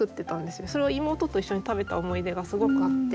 それを妹と一緒に食べた思い出がすごくあって。